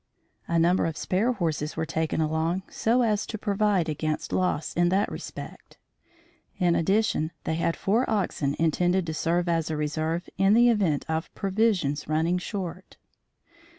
A number of spare horses were taken along, so as to provide against loss in that respect. In addition, they had four oxen intended to serve as a reserve in the event of provisions running short.